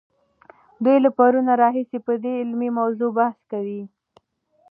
دوی له پرون راهیسې په دې علمي موضوع بحث کاوه.